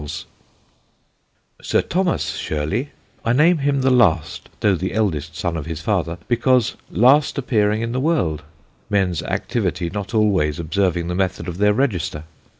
[Sidenote: SIR THOMAS SHIRLEY] "Sir THOMAS SHIRLEY, I name him the last (though the eldest Son of his Father) because last appearing in the world, men's Activity not always observing the method of their Register.